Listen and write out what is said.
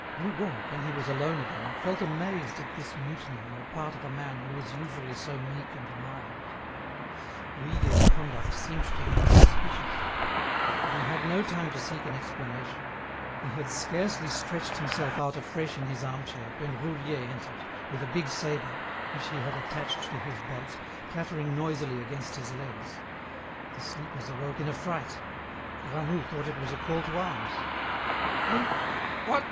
Rougon, when he was alone again, felt amazed at this mutiny on the part of a man who was usually so meek and mild. Vuillet's conduct seemed to him suspicious. But he had no time to seek an explanation; he had scarcely stretched himself out afresh in his arm chair, when Roudier entered, with a big sabre, which he had attached to his belt, clattering noisily against his legs. The sleepers awoke in a fright. Granoux thought it was a call to arms. "Eh? what!